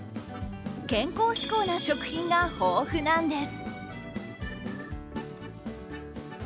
健康志向な食品が豊富なんです。